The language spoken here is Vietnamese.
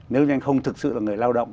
nếu như anh không thực sự là người lao động